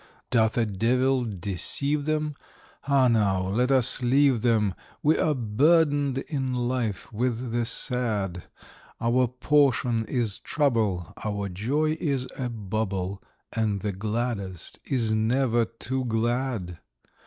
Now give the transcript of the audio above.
Doth a devil deceive them? Ah, now let us leave them We are burdened in life with the sad; Our portion is trouble, our joy is a bubble, And the gladdest is never too glad.